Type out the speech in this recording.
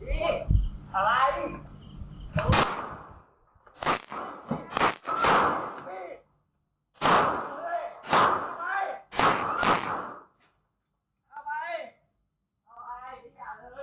อะไรอย่างเลย